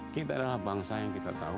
kita adalah bangsa yang kita tahu